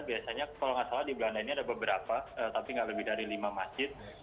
biasanya kalau nggak salah di belanda ini ada beberapa tapi nggak lebih dari lima masjid